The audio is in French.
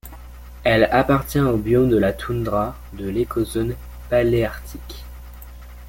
Elle appartient au biome de la toundra de l'écozone paléarctique.